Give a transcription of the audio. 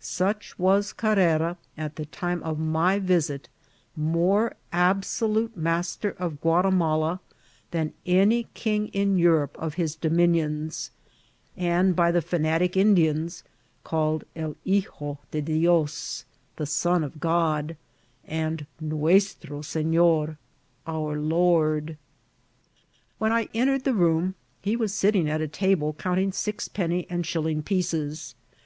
Snob was Cartcfa, at die time of my Tint more absolute master of Gnatimala than any king in Bnrope of his dominions^ and by the fanatic Indians called el Hico de Dios^ the Son of God, and nnestro BeSor, oar Iiord. "When I entered the room be was sitting at a table counting sixpenny and diilling pieces.